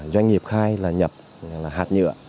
doanh nghiệp khai là nhập hạt nhựa